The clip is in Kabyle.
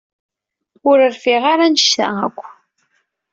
Ur rfiɣ ara anect-a akk.